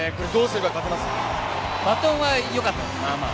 バトンはよかったです。